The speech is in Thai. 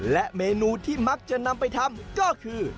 และเมนูที่มักจะนำไปทำก็คือ